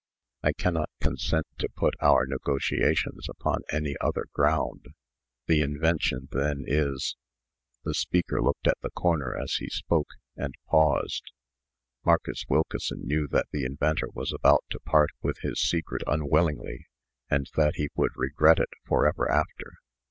I cannot consent to put our negotiations upon any other ground. The invention, then, is " The speaker looked at the corner as he spoke, and paused. Marcus Wilkeson knew that the inventor was about to part with his secret unwillingly, and that he would regret it forever after.